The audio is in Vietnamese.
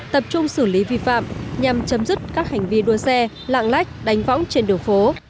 tập trung xử lý vi phạm nhằm chấm dứt các hành vi đua xe lạng lách đánh võng trên đường phố